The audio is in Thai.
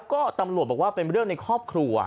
ก็ตำรวจบอกว่าเป็นเรื่องในครอบครัว